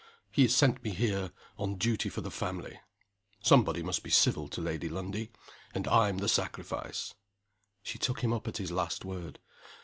He has sent me here, on duty for the family. Somebody must be civil to Lady Lundie and I'm the sacrifice." She took him up at his last word.